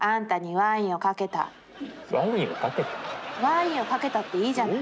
「ワインをかけたっていいじゃない」。